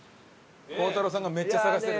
孝太郎さんがめっちゃ探してる。